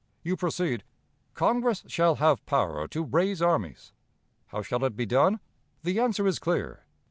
You proceed: 'Congress shall have power to raise armies. How shall it be done? The answer is clear.